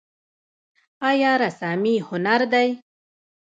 آیا رسامي هنر دی؟